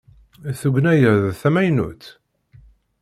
Tugna-a d tamaynut?